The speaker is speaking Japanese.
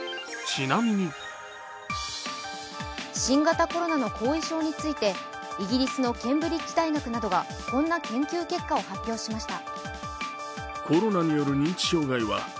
新型コロナの後遺症についてイギリスのケンブリッジ大学などがこんな研究結果を発表しました。